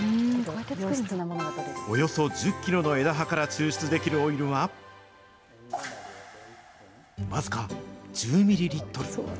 およそ１０キロの枝葉から抽出できるオイルは、僅か１０ミリリットル。